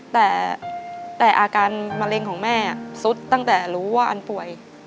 แต่อาการมะเร็งของแม่สุดตั้งแต่รู้ว่าอันป่วย